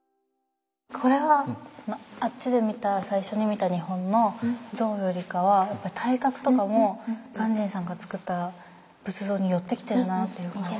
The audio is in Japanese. これはあっちで見た最初に見た日本の像よりかはやっぱり体格とかも鑑真さんがつくった仏像に寄ってきてるなっていう感じが。